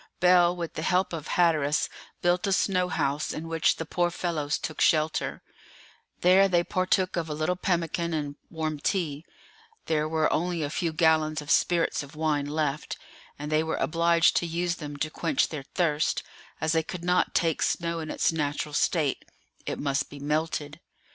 Bell, with the help of Hatteras, built a snow house, in which the poor fellows took shelter; there they partook of a little pemmican and warm tea; there were only a few gallons of spirits of wine left, and they were obliged to use them to quench their thirst, as they could not take snow in its natural state; it must be melted.